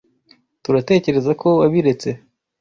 turatekerezako wabiretse.